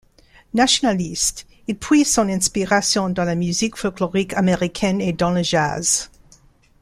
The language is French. Nationaliste, il puise son inspiration dans la musique folklorique américaine et dans le jazz.